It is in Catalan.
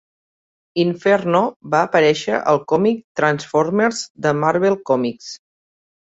Inferno va aparèixer al còmic Transformers de Marvel Comics.